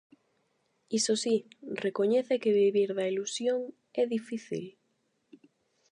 Iso si, recoñece que vivir da ilusión é difícil.